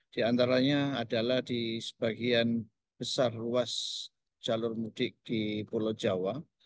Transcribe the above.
di antaranya adalah di sebagian besar ruas jalur mudik di pulau jawa